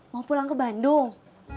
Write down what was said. mau pulang ke bandung